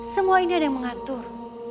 semua ini ada yang mengatur